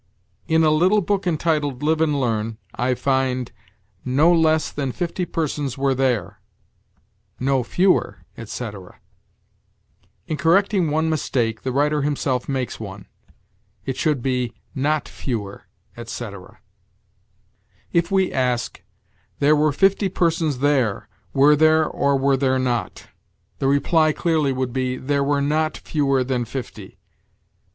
In a little book entitled "Live and Learn," I find, "No less than fifty persons were there; No fewer," etc. In correcting one mistake, the writer himself makes one. It should be, "Not fewer," etc. If we ask, "There were fifty persons there, were there or were there not?" the reply clearly would be, "There were not fewer than fifty."